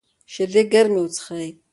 شیدې ګرمې وڅښئ.